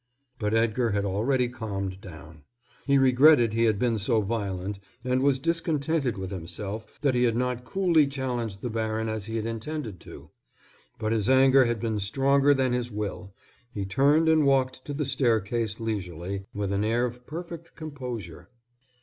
But Edgar had already calmed down. He regretted he had been so violent and was discontented with himself that he had not coolly challenged the baron as he had intended to do. But his anger had been stronger than his will. He turned and walked to the staircase leisurely, with an air of perfect composure.